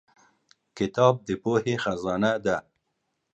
کتاب د پوهې خزانه ده.